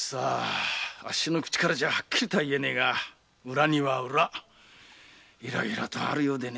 あっしの口からははっきりとは言えねぇが裏には裏いろいろとあるようでね。